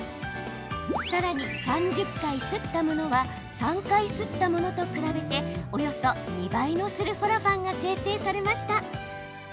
さらに、３０回すったものは３回すったものと比べておよそ２倍のスルフォラファンが生成されました。